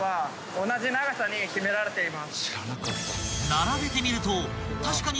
［並べてみると確かに］